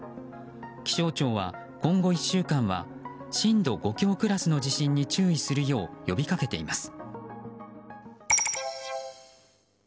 気象庁は今後１週間は震度５強クラスの地震に注意するよう呼びかけています。